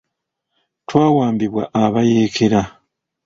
Twawambibwa abayeekera.